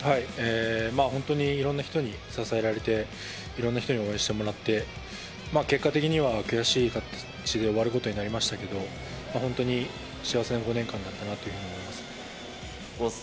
本当にいろんな人に支えられて、いろんな人に応援してもらって、結果的には悔しい形で終わることになりましたけれども、本当に幸せな５年間だったなというふうに思います。